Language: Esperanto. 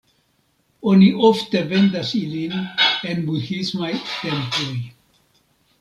Oni ofte vendas ilin en budhismaj temploj.